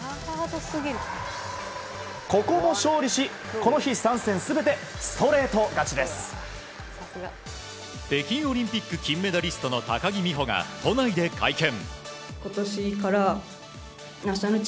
ここも勝利しこの日、３戦全て北京オリンピック金メダリストの高木美帆が都内で会見。